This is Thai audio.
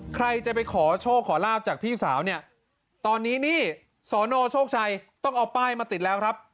ใครจะไปขอโชคขอลาบจากพี่สาวเนี่ยตอนนี้นี่สนโชคชัยต้องเอาป้ายมาติดแล้วครับ